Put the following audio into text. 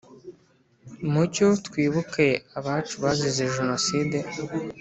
mucyo twibuke abacu bazize jenoside